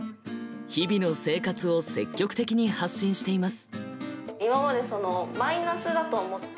日々の生活を積極的に発信しています。